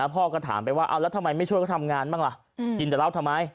พ่อก็ถามไปว่าเอาแล้วทำไมไม่ช่วยเขาทำงานบ้างล่ะกินแต่เหล้าทำไม